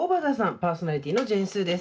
パーソナリティーのジェーン・スーです。